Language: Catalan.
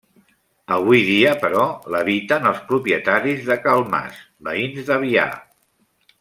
Avui dia, però, l'habiten els propietaris de Cal Mas, veïns d'Avià.